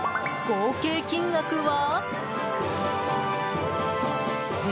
合計金額は。